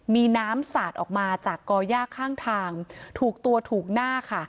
มีน้ำสาดออกมาจากก่อย่าข้างทางถูกตัวถูกหน้าค่ะ